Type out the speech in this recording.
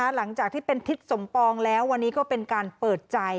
หลังจากที่เป็นทิศสมปองแล้ววันนี้ก็เป็นการเปิดใจ